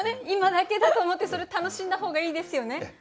今だけだと思ってそれ楽しんだ方がいいですよね。